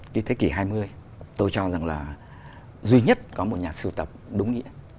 khi thế kỷ hai mươi tôi cho rằng là duy nhất có một nhà siêu tập đúng nghĩa